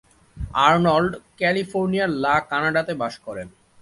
Arnold ক্যালিফোর্নিয়ার La কানাডাতে বাস করেন।